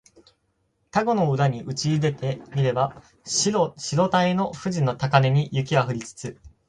田子の浦にうちいでて見れば白たへの富士の高嶺に雪は降りつつ